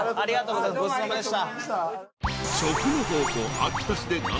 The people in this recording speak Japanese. ごちそうさまでした。